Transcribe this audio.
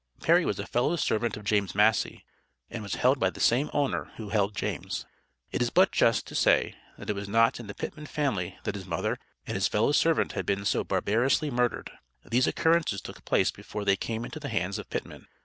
Perry was a fellow servant of James Massey, and was held by the same owner who held James. It is but just, to say, that it was not in the Pittman family that his mother and his fellow servant had been so barbarously murdered. These occurrences took place before they came into the hands of Pittman.